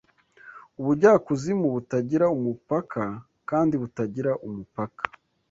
Ubujyakuzimu butagira umupaka kandi butagira umupaka